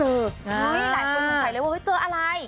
เห้ยหลายคนต้องใส่เลยว่าเจออะไร